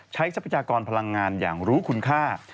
ทรัพยากรพลังงานอย่างรู้คุณค่า